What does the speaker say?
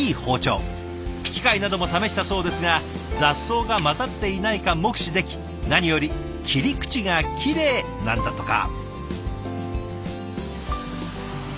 機械なども試したそうですが雑草が交ざっていないか目視でき何より切り口がきれいなんだとか。